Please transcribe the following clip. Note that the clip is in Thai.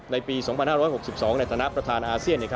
ในปี๒๕๖๒ในฐานะประธานอาเซียน